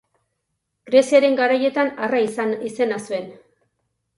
Greziarren garaietan Arra izena zuen.